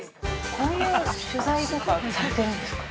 こういう取材とかされてるんですか。